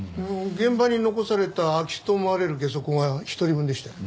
現場に残された空き巣と思われるゲソ痕は１人分でしたよ。